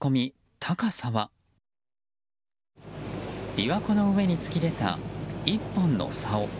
琵琶湖の上に突き出た１本のさお。